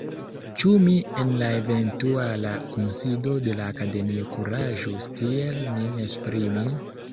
Ĉu mi en la eventuala kunsido de la Akademio kuraĝus tiel min esprimi?